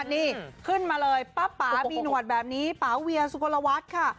นี่ขึ้นมาเลยป๊ามีหนวดแบบนี้ป๋าเวียสุโกลวัฒน์ค่ะ